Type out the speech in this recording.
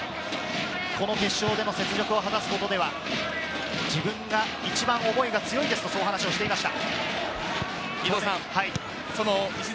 この決勝で雪辱を果たすことでは、自分が一番思いが強いですと話をしていました。